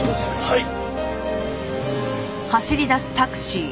はい！